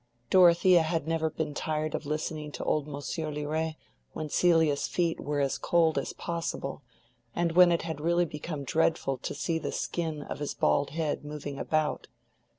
Dorothea had never been tired of listening to old Monsieur Liret when Celia's feet were as cold as possible, and when it had really become dreadful to see the skin of his bald head moving about.